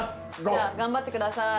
じゃあ頑張ってください。